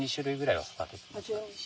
はい。